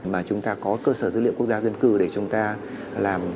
mà chúng ta có cơ sở dữ liệu quốc gia dân cư để chúng ta làm